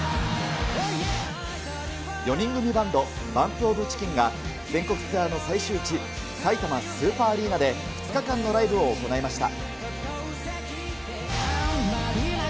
４人組バンド、ＢＵＭＰＯＦＣＨＩＣＫＥＮが全国ツアーの最終地、さいたまスーパーアリーナで、２日間のライブを行いました。